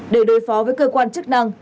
để đối phó với cơ quan chức năng